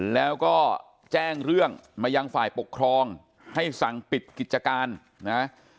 แล้วก็แจ้งเรื่องมายังฝ่ายปกครองให้สั่งปิดกิจการนะ